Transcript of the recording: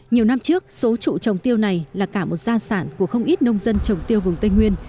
nhiều năm trước số trụ trồng tiêu này là cả một gia sản của không ít nông dân trồng tiêu vùng tây nguyên